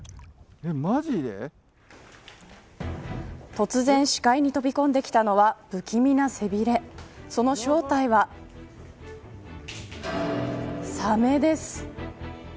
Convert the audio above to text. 突然視界に飛び込んできたのは不気味な背びれその正体はサメです。